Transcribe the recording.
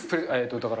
だから。